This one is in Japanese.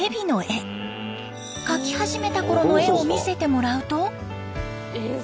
描き始めたころの絵を見せてもらうと。